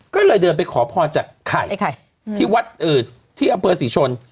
ก็เลยเดินไปขอพรจากไข่ที่วัดที่อำเภอศรีชน